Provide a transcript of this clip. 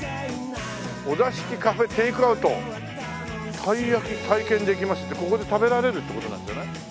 「お座敷カフェ・テイクアウト」「“たい焼き体験”できます」ってここで食べられるって事なんじゃない？